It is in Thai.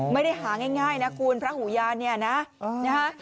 ไม่ได้หาง่ายนะคุณพระหูยานเนี่ยนะนะฮะ